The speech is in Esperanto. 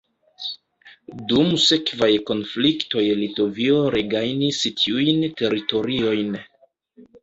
Dum sekvaj konfliktoj Litovio regajnis tiujn teritoriojn.